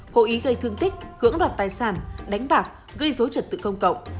cố ý gây thương tích cưỡng đoạt tài sản đánh bạc gây dối trật tự công cộng